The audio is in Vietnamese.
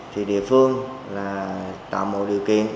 thì địa phương là tạo một điều kiện